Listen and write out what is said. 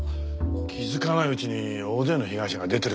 気づかないうちに大勢の被害者が出てるかもしれないな。